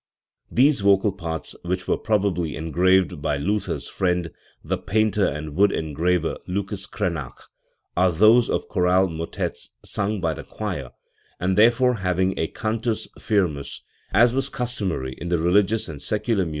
These vocal parts, which were probably engraved by Luther's friend, the painter and wood engraver Lucas Cranach are those of chorale motets sung by the choir, and therefore having a cantus firmus, as was custom ary in the religious and secular music of that time, * See p.